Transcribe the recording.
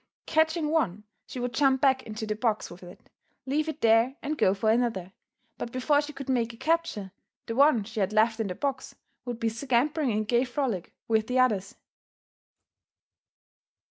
Catching one, she would jump back into the box with it, leave it there and go for another, but before she could make a capture, the one she had left in the box would be scampering in gay frolic with the others.